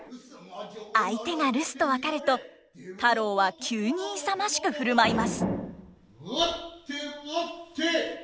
相手が留守と分かると太郎は急に勇ましく振る舞います。